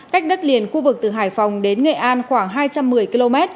cách đất liền khu vực từ hải phòng đến nghệ an khoảng hai trăm một mươi km